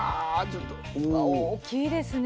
大きいですね